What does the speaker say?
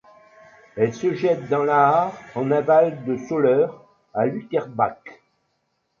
Elle se jette dans l'Aar en aval de Soleure, à Luterbach.